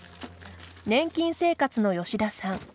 年金生活の吉田さん。